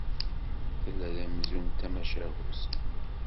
Tella-d amzun d tamacahut.